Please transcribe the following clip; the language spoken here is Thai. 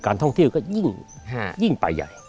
การท่องเที่ยวก็ยิ่งป่ายใหญ่